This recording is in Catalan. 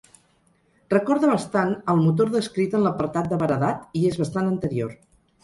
Recorda bastant el motor descrit en l'apartat de Baradat, i és bastant anterior.